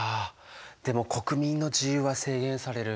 でも国民の自由は制限される。